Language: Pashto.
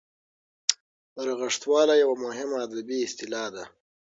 رغښتواله یوه مهمه ادبي اصطلاح ده.